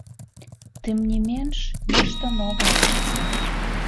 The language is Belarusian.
Тым не менш, нешта новае будзе.